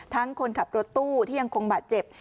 คนขับรถตู้ที่ยังคงบาดเจ็บ